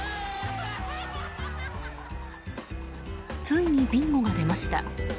ついにビンゴが出ました。